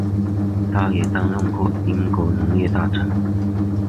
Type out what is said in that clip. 他也担任过英国农业大臣。